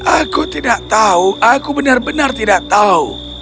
aku tidak tahu aku benar benar tidak tahu